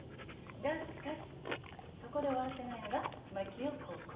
がしかしそこで終わらせないのが槙尾高校。